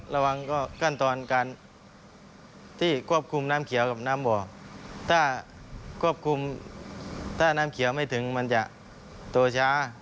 ระวังก็ขั้นตอนการที่ควบคุมน้ำเขียวกับน้ำบ่อถ้าควบคุมถ้าน้ำเขียวไม่ถึงมันจะโตช้า